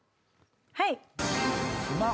はい！